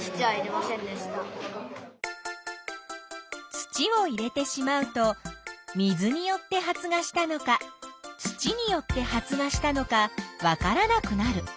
土を入れてしまうと水によって発芽したのか土によって発芽したのかわからなくなる。